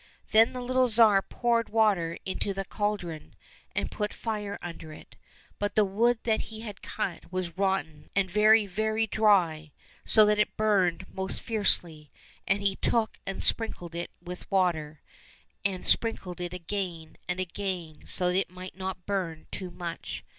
Then the little Tsar poured water into the cauldron, and put fire under it. But the wood that he had cut was rotten and very very dry, so that it burned most fiercely, and he took and sprinkled it with water, and sprinkled it again and again, so that it might not burn too much.